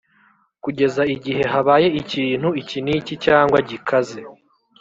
Kugeza igihe habaye ikintu iki n’iki cyangwa gikaze